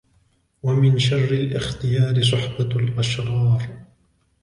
وَمِنْ شَرِّ الِاخْتِيَارِ صُحْبَةُ الْأَشْرَارِ